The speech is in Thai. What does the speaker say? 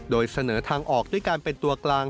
โดยเสนอทางออกด้วยการเป็นตัวกลาง